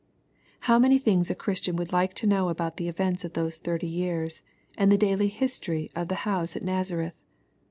How many things a Christian would like to know about the events of those thirty years, and the daily history of the house at Nazareth